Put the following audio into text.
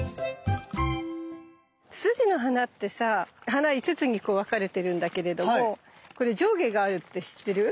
ツツジの花ってさ花５つに分かれてるんだけれどもこれ上下があるって知ってる？